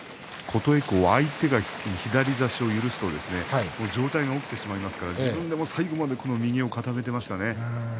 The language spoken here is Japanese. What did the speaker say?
琴恵光は相手が左差しを許すと上体が起きてしまいますから自分が最後まで右を固めていましたね。